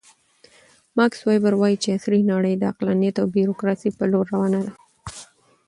ماکس ویبر وایي چې عصري نړۍ د عقلانیت او بیروکراسۍ په لور روانه ده.